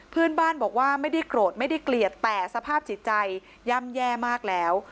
เพื่อนบ้านบอกว่าไม่ได้โกรธไม่ได้เกลียดแต่สภาพจิตใจย่ำแย่มากแล้ว